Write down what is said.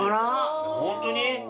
ホントに？